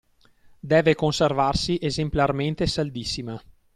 Deve conservarsi esemplarmente saldissima;